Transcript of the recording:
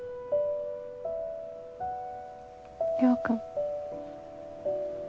亮君。